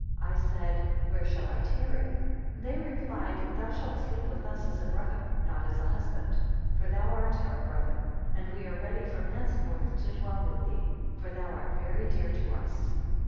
I said, Where shall I tarry? 99 They replied, Thou shalt sleep with us as a brother, not as a husband; for thou art our brother, and we are ready from henceforth to dwell with thee; for thou art very dear to us.